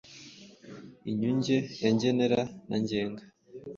inyunge ya ngenera na ngenga.